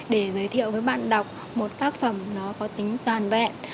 để giới thiệu với bạn đọc một tác phẩm nó có tính toàn vẹn